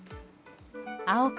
青く